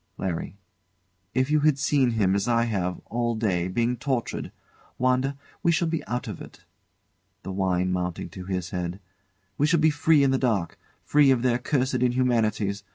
LARRY. If you had seen him, as I have, all day, being tortured. Wanda, we shall be out of it. [The wine mounting to his head] We shall be free in the dark; free of their cursed inhumanities.